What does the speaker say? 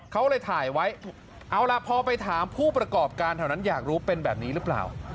เขาเลยถ่ายไว้เอาล่ะพอไปถามผู้ประกอบการแถวนั้นอยากรู้เป็นแบบนี้หรือเปล่า